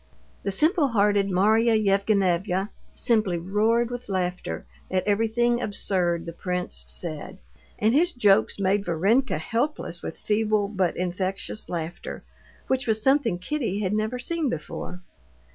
The simple hearted Marya Yevgenyevna simply roared with laughter at everything absurd the prince said, and his jokes made Varenka helpless with feeble but infectious laughter, which was something Kitty had never seen before.